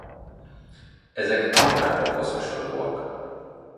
Ezek power-upokhoz hasonlóak.